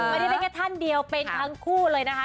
ไม่ได้เป็นแค่ท่านเดียวเป็นทั้งคู่เลยนะคะ